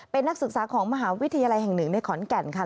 เป็นนักศึกษาของมหาวิทยาลัยแห่งหนึ่งในขอนแก่นค่ะ